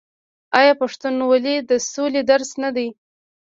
آیا پښتونولي د سولې درس نه دی؟